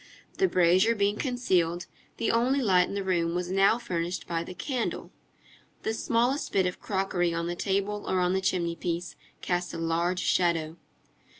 The brazier being concealed, the only light in the room was now furnished by the candle; the smallest bit of crockery on the table or on the chimney piece cast a large shadow.